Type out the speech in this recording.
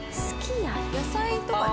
野菜とかね。